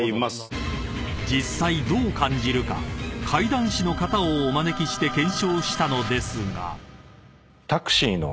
［実際どう感じるか怪談師の方をお招きして検証したのですが］